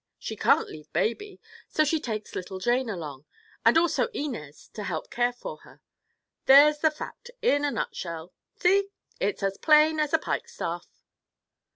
She can't leave baby, so she takes little Jane along, and also Inez to help care for her. There's the fact, in a nutshell. See? It's all as plain as a pikestaff."